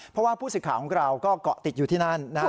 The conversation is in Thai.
เพราะว่าผู้ศึกขาของเราก็เกาะติดอยู่ที่นั่น